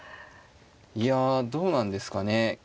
いやどうなんですかね。